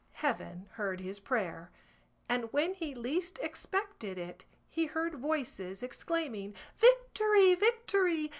Heaven heard his prayer, and when he least expected it he heard voices exclaiming, "Victory, victory!